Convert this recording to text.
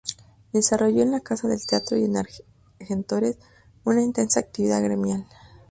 Desarrolló en la Casa del Teatro y en Argentores una intensa actividad gremial.